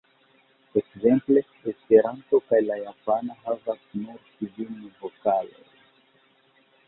Ekzemple, Esperanto kaj la japana havas nur kvin vokalojn.